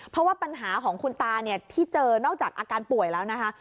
เพราะว่าปัญหาของคุณตาเนี่ยที่เจอนอกจากอาการป่วยแล้วนะคะ